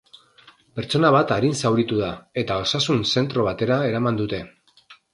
Pertsona bat arin zauritu da, eta osasun zentro batera eraman dute.